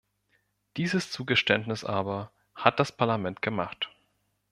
Dieses Zugeständnis aber hat das Parlament gemacht.